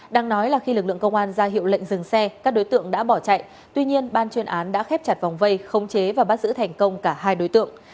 đang nói là khi lực lượng công an ra hiệu lệnh dừng xe các đối tượng đã bỏ chạy tuy nhiên ban chuyên án đã khép chặt vòng vây khống chế và bắt giữ thành công cả hai đối tượng